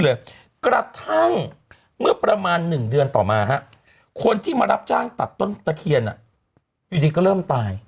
เล่าให้ฟังเสมอ